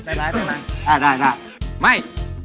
เดี๋ยวฉันเตรียมตัวไป